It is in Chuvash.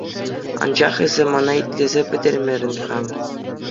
Анчах эсӗ мана итлесе пӗтермерӗн-ха.